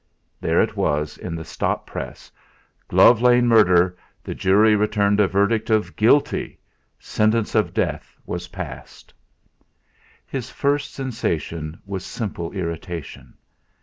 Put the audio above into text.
There it was in the Stop Press! "Glove Lane Murder. The jury returned a verdict of Guilty. Sentence of death was passed." His first sensation was simple irritation.